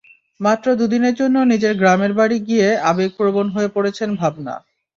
মাত্র দুই দিনের জন্য নিজের গ্রামের বাড়ি গিয়ে আবেগপ্রবণ হয়ে পড়েছেন ভাবনা।